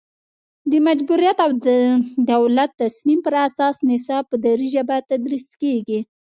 د مجبوریت او د دولت تصمیم پر اساس نصاب په دري ژبه تدریس کیږي